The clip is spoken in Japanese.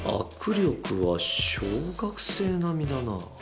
握力は小学生並みだな。